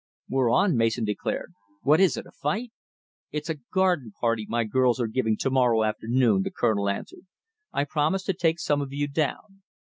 "We're on," Mason declared. "What is it? a fight?" "It's a garden party my girls are giving to morrow afternoon," the Colonel answered. "I promised to take some of you down.